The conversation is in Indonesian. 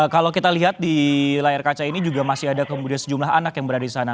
kalau kita lihat di layar kaca ini juga masih ada kemudian sejumlah anak yang berada di sana